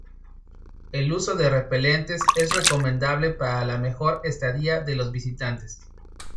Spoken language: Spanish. El uso de repelentes es recomendable para la mejor estadía de los visitantes.